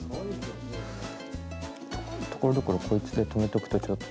ところどころこいつで留めとくとちょっと。